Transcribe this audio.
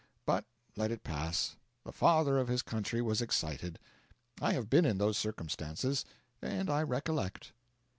But let it pass; the Father of his Country was excited. I have been in those circumstances, and I recollect.